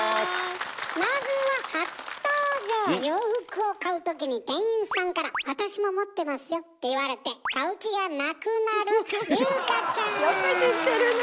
まずは洋服を買うときに店員さんから「私も持ってますよ」って言われて買う気がなくなるよく知ってるね。